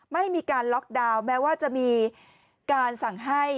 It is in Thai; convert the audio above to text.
ไม่มีการล็อกดาวน์แม้ว่าจะมีการสั่งให้